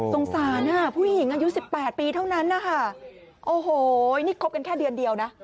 สงสารอ่ะผู้หญิงอายุ๑๘ปีเท่านั้นนะคะโอ้โหนี่คบกันแค่เดือนเดียวนะ